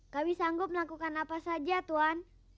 kami sanggup melakukan apa saja tuhan